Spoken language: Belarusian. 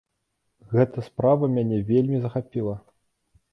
Гэта справа мяне вельмі захапіла.